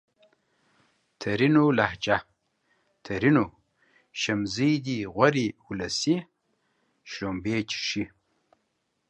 ترينو لهجه ! ترينو : شمزې دي غورې اولسۍ :شلومبې چښې